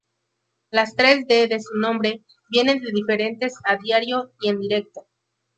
Las tres D de su nombre vienen de "Diferentes, a Diario y en Directo".